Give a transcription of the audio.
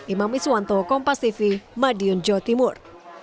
imam iswanto kompas tv madiun jawa timur